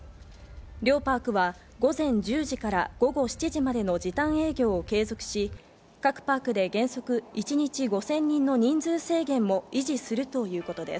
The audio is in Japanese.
両パークは午前１０時から午後７時までの時短営業を継続し、各パークで原則一日５０００人の人数制限も維持するということです。